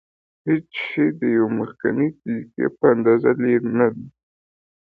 هېڅ شی د یوې مخکنۍ دقیقې په اندازه لرې نه دی.